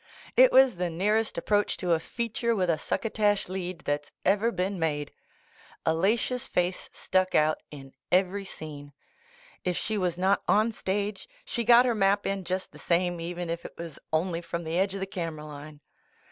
It was the nearest approach to a feature with a succotash lead that's ever been made. Alalia's face stuck out in every scene. If shq was not on stage, she got her map in just the same, even if it was only from the edge of the camera line.